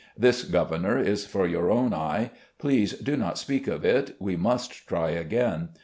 This, Governor, is for your own eye. Please do not speak of it ; we must try again.